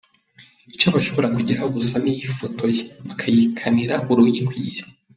Icyo bashobora kugeraho gusa ni ifotoye, bakayikanira uruyikwiye !